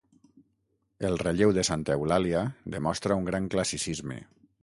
El relleu de santa Eulàlia, demostra un gran classicisme.